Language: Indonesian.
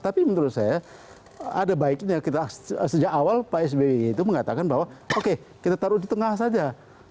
tapi menurut saya ada baiknya kita sejak awal pak sby itu mengatakan bahwa oke kita taruh di tengah saja